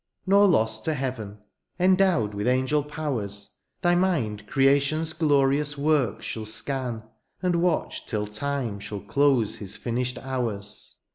Nor lost to heaven ;— endowed with angel powers. Thy mind creation's glorious works shall scan. And watch till time shall close his finished hours.